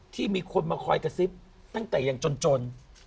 ที่มีคนมาคอยกระซิบตั้งแต่ยังจน